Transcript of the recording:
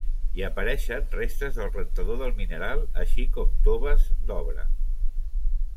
Hi apareixen restes del rentador del mineral així com toves d'obra.